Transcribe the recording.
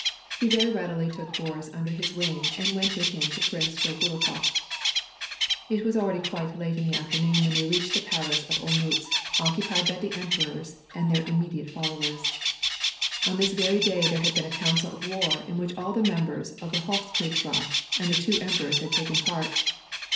He veiy readily took Boris under his wing and went with him to Prince Dolgorukof. It was already quite late in the afternoon when they reached the palace of Olmiitz, occupied by the emperors and their im mediate followers. On this very day there had been a council of war in which all the members of the Hofkriegsrath and the two emperors had taken part.